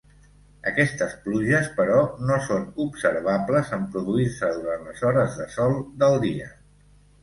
Aquestes pluges, però, no són observables en produir-se durant les hores de Sol del dia.